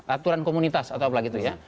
aturan komunitas atau apalah gitu ya